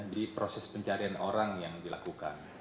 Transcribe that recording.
jadi proses pencarian orang yang dilakukan